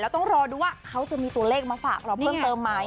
ต้องรอดูว่าเขาจะมีตัวเลขมาฝากเราเพิ่มเติมไหม